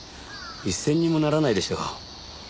一銭にもならないでしょ。